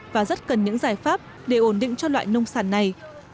và rất cần những giải pháp để ổn định cho loại nông sản này